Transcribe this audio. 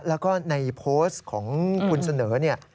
แล้วก็ในโพสต์ของคุณเสนอเนี่ย